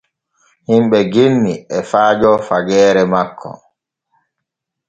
Himɓe genni e faajo fageere makko.